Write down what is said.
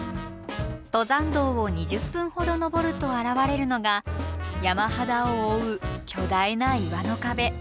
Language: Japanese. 登山道を２０分ほど登ると現れるのが山肌を覆う巨大な岩の壁。